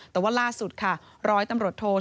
แต่ว่าล่าสุดค่ะร้อยตำรวจโท